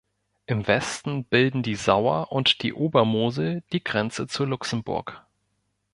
Im Westen bilden die Sauer und die Obermosel die Grenze zu Luxemburg.